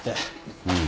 うん。